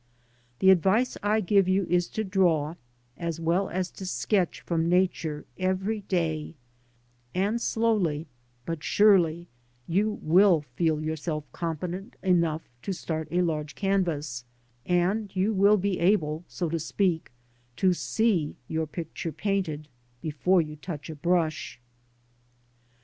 The advice I give you is to draw as well as to sketch from Nature every day; and slowly, but surely, you will feel yourself competent enough to start a large canvas, and you will be able (so to speak) to see your picture painted, before you touch a brush.